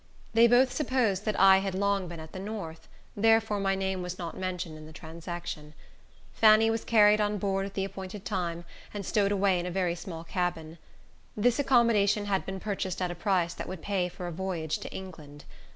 They both supposed that I had long been at the north, therefore my name was not mentioned in the transaction. Fanny was carried on board at the appointed time, and stowed away in a very small cabin. This accommodation had been purchased at a price that would pay for a voyage to England.